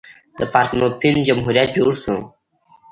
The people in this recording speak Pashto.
د پارتنوپین جمهوریت جوړ شو.